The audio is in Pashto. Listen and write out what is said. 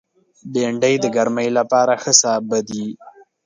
بېنډۍ د ګرمۍ لپاره ښه سابه دی